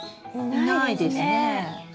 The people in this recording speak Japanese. いないですね。